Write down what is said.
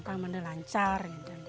pang mande lancar